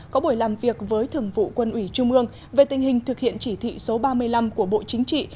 có buổi làm việc với thường vụ quân ủy trung ương về tình hình thực hiện chỉ thị số ba mươi năm của bộ chính trị